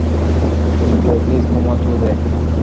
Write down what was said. Gunju, please ঘুমোতে দে।